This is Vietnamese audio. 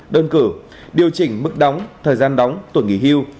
đơn cử điều chỉnh mức đóng thời gian đóng tuổi nghỉ hưu